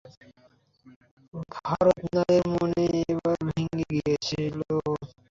ভারত লালের মনো একেবারে ভেঙ্গে গিয়েছিলো।